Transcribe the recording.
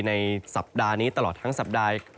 ในสัปดาห์นี้ตลอดทั้งสัปดาห์